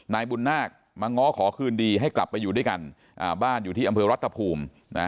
นายบุญนาคมาง้อขอคืนดีให้กลับไปอยู่ด้วยกันบ้านอยู่ที่อำเภอรัฐภูมิ